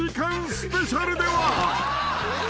スペシャルでは］